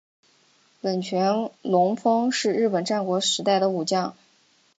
冷泉隆丰是日本战国时代的武将。